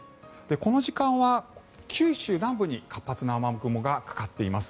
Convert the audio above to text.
この時間は九州南部に活発な雨雲がかかっています。